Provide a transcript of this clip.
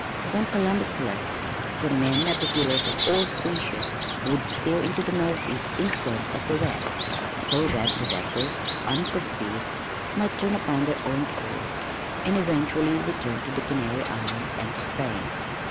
When Columbus slept, the men at the tillers of all three ships would steer into the northeast instead of the west, so that the vessels, unperceived, might turn upon their own course and eventually return to the Canary Islands and to Spain.